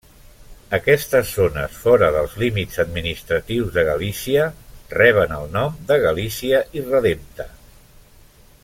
Aquestes zones fora dels límits administratius de Galícia reben el nom de Galícia irredempta.